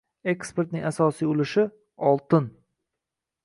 Eksportning asosiy ulushi oltin;